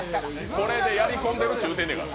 これでやりこんでるっちゅうててんから！